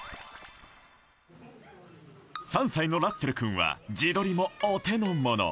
３歳のラッセルくんは自撮りもお手のもの